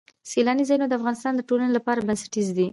سیلاني ځایونه د افغانستان د ټولنې لپاره بنسټیز دي.